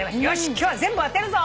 今日は全部当てるぞ。